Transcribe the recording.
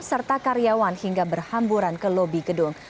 serta karyawan hingga berhamburan ke lobi gedung